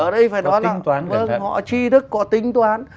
ở đây phải nói là họ chi thức có tính toán